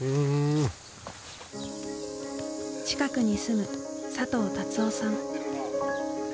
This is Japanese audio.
近くに住む佐藤達夫さん。